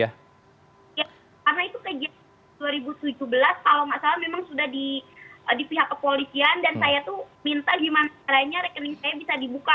karena itu kegiatan dua ribu tujuh belas kalau nggak salah memang sudah di pihak kepolisian dan saya tuh minta gimana caranya rekening saya bisa dibuka